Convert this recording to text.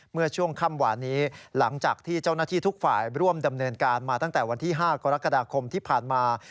เมื่อช่วงค่ำหวานนี้หลังจากที่เจ้าหน้าที่ทุกฝ่ายร่วมดำเนินการมาตั้งแต่วันที่๕กรกฎาคมที่ผ่านมา